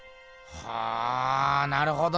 はあなるほどね。